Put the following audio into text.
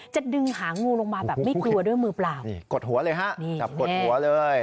จะดึงหางูลงมาแบบไม่กลัวด้วยมือเปล่านี่กดหัวเลยฮะนี่จับกดหัวเลย